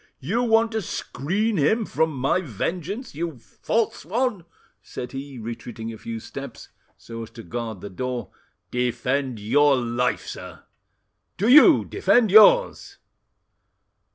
"You want to screen him from my vengeance, you false one!" said he, retreating a few steps, so as to guard the door. "Defend your life, sir!" "Do you defend yours!"